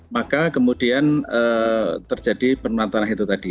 maka kemudian terjadi penurunan tanah itu tadi